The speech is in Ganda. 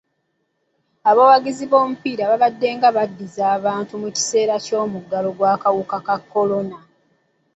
Abazannyi b'omupiira babaddenga baddiza abantu mu kiseera ky'omuggalo gw'akawuka ka kolona.